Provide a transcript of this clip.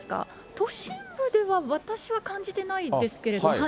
都心部では私は感じてないですけれども。